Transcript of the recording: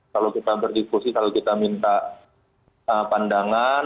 kalau kita berdiskusi kalau kita minta pandangan